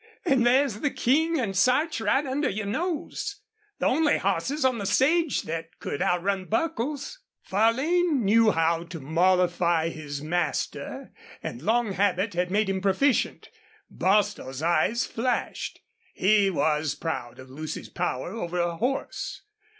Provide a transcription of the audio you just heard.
An' there's the King an' Sarch right under your nose the only hosses on the sage thet could outrun Buckles." Farlane knew how to mollify his master and long habit had made him proficient. Bostil's eyes flashed. He was proud of Lucy's power over a horse.